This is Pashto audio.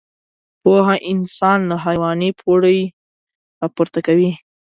پوهه انسان له حيواني پوړۍ راپورته کوي.